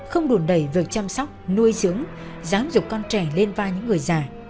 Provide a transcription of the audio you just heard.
không đùn đẩy việc chăm sóc nuôi dưỡng giám dục con trẻ lên vai những người già